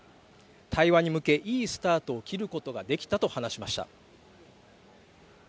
対話に向けいいスタートを切ることができたと話しました。